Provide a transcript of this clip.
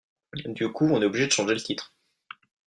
Du coup, on est obligé de changer le titre.